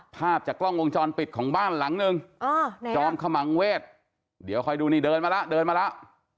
ภาพจากกล้องวงจรปิดของบ้านหลังนึงจอมขมังเวศเดี๋ยวคอยดูนี่เดินมาแล้วเดินมาแล้ว